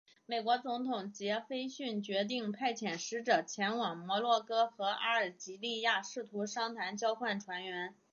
美国总统杰斐逊决定派遣使者前往摩洛哥和阿尔及利亚试图商谈交换船员。